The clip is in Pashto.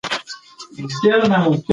آیا ته په پښتو لیکل او لوستل کولای شې؟